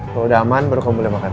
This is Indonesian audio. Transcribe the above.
kalau udah aman baru kamu boleh makan